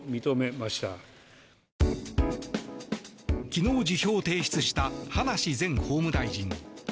昨日、辞表を提出した葉梨前法務大臣。